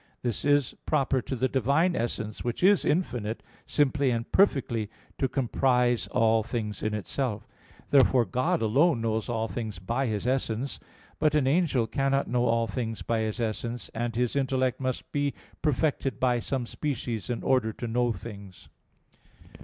This is proper to the Divine essence, which is infinite, simply and perfectly to comprise all things in Itself. Therefore God alone knows all things by His essence. But an angel cannot know all things by his essence; and his intellect must be perfected by some species in order to know things.